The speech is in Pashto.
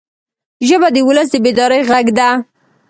ژبه د ولس د بیدارۍ غږ ده